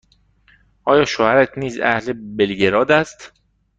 آیا شوهرت نیز اهل بلگراد است؟